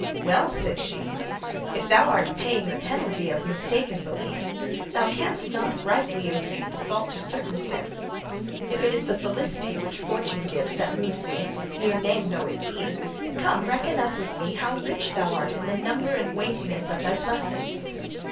'Well,' said she, 'if thou art paying the penalty of a mistaken belief, thou canst not rightly impute the fault to circumstances. If it is the felicity which Fortune gives that moves thee mere name though it be come reckon up with me how rich thou art in the number and weightiness of thy blessings.